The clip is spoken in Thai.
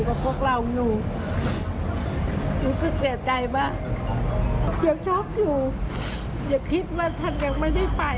อย่าคิดว่าท่านยังไม่ได้ไป